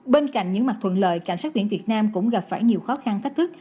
bên cạnh những mặt thuận lợi cảnh sát biển việt nam cũng gặp phải nhiều khó khăn thách thức